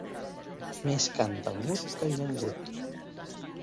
Més canta el mut que el llengut.